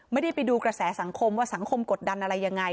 ไม่ได้ไปดูกระแสสังคมว่าสังคมกดดันอะไรยังไง